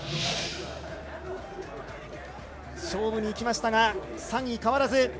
勝負に行きましたが３位変わらず。